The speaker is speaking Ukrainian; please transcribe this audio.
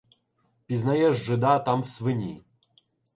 Пізнаєш жида там в свині.